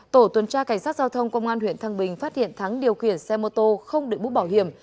tổ tuần tra cảnh sát giao thông công an huyện thăng bình phát hiện thắng điều khiển xe mô tô không đựng bút bảo hiểm